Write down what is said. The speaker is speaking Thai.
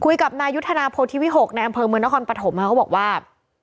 คุยกับนายุทธนาโพธิวิหกในอำเภอเมืองนครปฐมค่ะเขาบอกว่า